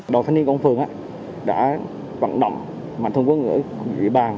đồng thanh niên của ông phường đã vận động mạng thông quân của địa bàn